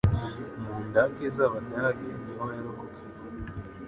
mu ndake z'Abadage niho yarokokeye